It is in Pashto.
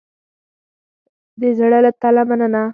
د زړه له تله مننه